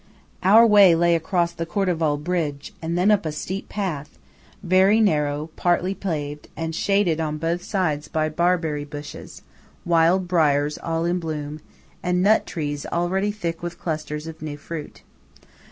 Our way lay across the Cordevole bridge and then up a steep path, very narrow, partly paved, and shaded on both sides by barberry bushes, wild briars all in blossom, and nut trees already thick with clusters of new fruit.